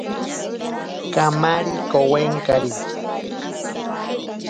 Kamari kowenkari.